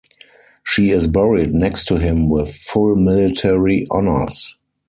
She is buried next to him with full military honors.